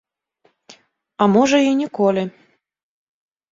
А можа, і ніколі.